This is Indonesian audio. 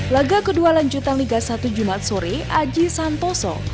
laga kedua lanjutan liga satu jumat sore aji santoso